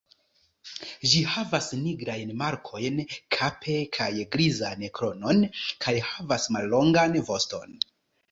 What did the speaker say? Ĝi havas nigrajn markojn kape kaj grizan kronon kaj havas mallongan voston.